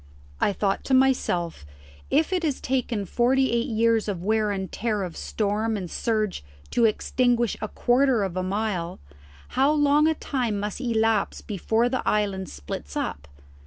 I thought to myself if it has taken forty eight years of the wear and tear of storm and surge to extinguish a quarter of a mile, how long a time must elapse before this island splits up?